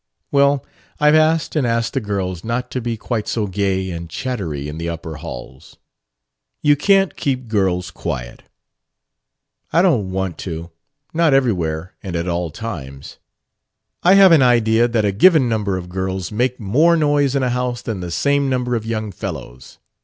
"Well, I've asked and asked the girls not to be quite so gay and chattery in the upper halls." "You can't keep girls quiet." "I don't want to not everywhere and at all times." "I have an idea that a given number of girls make more noise in a house than the same number of young fellows.